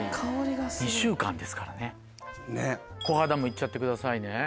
２週間ですからねコハダも行っちゃってくださいね。